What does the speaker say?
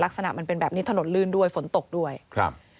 ลักษณะมันเป็นแบบนี้ถนนลื่นด้วยฝนตกด้วยครับ